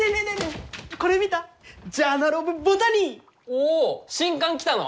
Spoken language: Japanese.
お新刊来たの！？